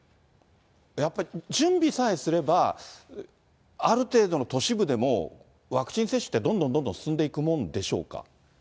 やっぱり準備さえすれば、ある程度の都市部でも、ワクチン接種ってどんどんどんどん進んでいくもんでしょうか？